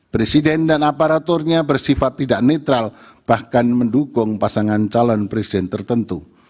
presiden dan aparaturnya bersifat tidak netral bahkan mendukung pasangan calon presiden tertentu